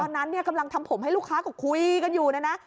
เมื่อนั้นกำลังทำผมให้ลูกค้าก็คุยกันอยู่นะ